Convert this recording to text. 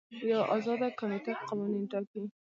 یوه ازاده کمیټه قوانین ټاکي.